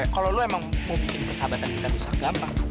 kalau lo emang mau bikin persahabatan kita susah gampang